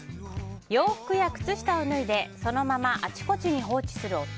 洋服や靴下を脱いでそのままあちこちに放置する夫。